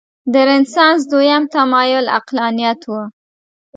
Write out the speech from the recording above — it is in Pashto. د رنسانس دویم تمایل عقلانیت و.